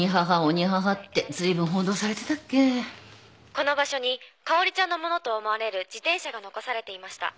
この場所にかおりちゃんのものと思われる自転車が残されていました。